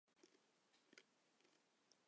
内角石是一属已灭绝的鹦鹉螺类。